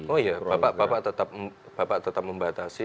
oh iya bapak bapak tetap membatasi